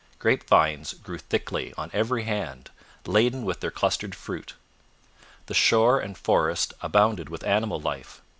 Grape vines grew thickly on every hand, laden with their clustered fruit. The shore and forest abounded with animal life.